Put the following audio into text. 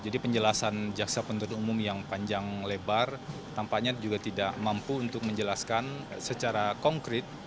jadi penjelasan jaksa pentadun umum yang panjang lebar tampaknya juga tidak mampu untuk menjelaskan secara konkret